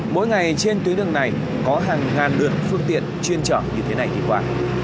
mỗi ngày trên tuyến đường này có hàng ngàn lượt phương tiện chuyên trở như thế này đi qua